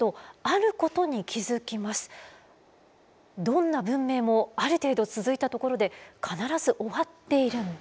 どんな文明もある程度続いたところで必ず終わっているんです。